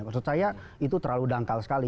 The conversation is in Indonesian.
maksud saya itu terlalu dangkal sekali